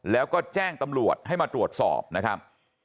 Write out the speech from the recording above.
แล้วก็แจ้งตำรวจให้มาตรวจสอบนะครับ